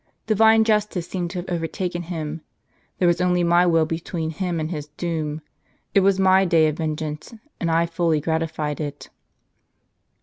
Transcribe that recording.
Divine justice seemed to have overtaken him; there was only my will between him and his doom. It was my day of vengeance, and I fully gratified it."